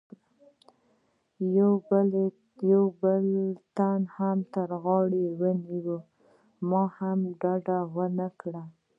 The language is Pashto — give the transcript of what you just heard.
یوه بل تن تر غاړې ونیولم، ما هم ډډه و نه کړه.